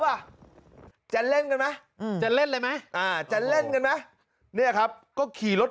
ป่ะจะเล่นกันไหมจะเล่นเลยไหมจะเล่นกันไหมเนี่ยครับก็ขี่รถ